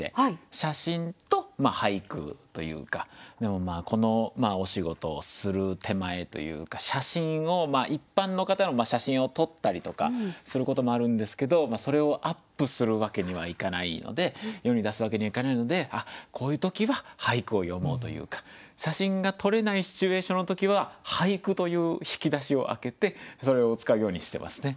写真と俳句というかこのお仕事をする手前というか写真を一般の方の写真を撮ったりとかすることもあるんですけどそれをアップするわけにはいかないので世に出すわけにはいかないのでこういう時は俳句を詠もうというか写真が撮れないシチュエーションの時は俳句という引き出しを開けてそれを使うようにしてますね。